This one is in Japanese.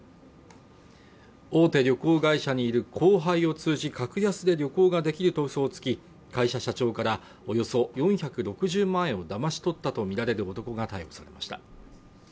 大手旅行会社にいる後輩を通じ格安で旅行ができるとうそをつき、会社社長からおよそ４６０万円をだまし取ったとみられる男が逮捕されました。